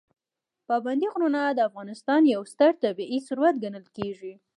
پابندي غرونه د افغانستان یو ستر طبعي ثروت ګڼل کېږي.